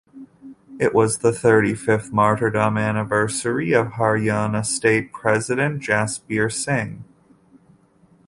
It was the thirty-fifth martyrdom anniversary of Haryana state president Jasbir Singh.